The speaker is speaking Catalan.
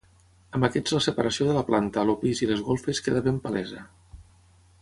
Amb aquests la separació de la planta, el pis i les golfes queda ben palesa.